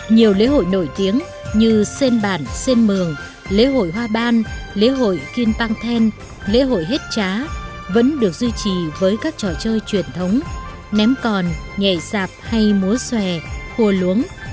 nhiều lễ hội nổi tiếng như xên bản xên mường lễ hội hoa ban lễ hội kinh bang then lễ hội hết trá vẫn được duy trì với các trò chơi truyền thống ném còn nhạy sạp hay múa xòe hô luống